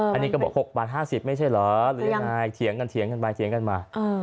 อันนี้ก็บอก๖บาท๕๐ไม่ใช่เหรอหรือยังไงเถียงกันเถียงกันไปเถียงกันมา